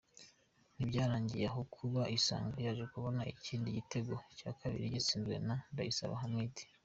Ntibyarangiriye aho kuko Isonga yaje kubona ikindi gitego cya kabiri cyatsinzwe na Ndayisaba Hamidu.